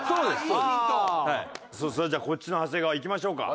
それじゃあこっちの長谷川いきましょうか。